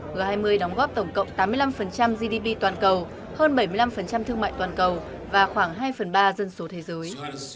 g hai mươi đóng góp tổng cộng tám mươi năm gdp toàn cầu hơn bảy mươi năm thương mại toàn cầu và khoảng hai phần ba dân số thế giới